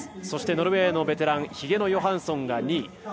そしてノルウェーのベテランひげのヨハンソンが２位。